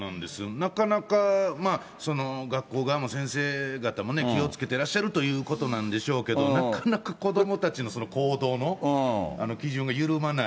なかなか、学校側も先生方も気をつけてらっしゃるということなんでしょうけど、なかなか子どもたちの行動の基準が緩まない。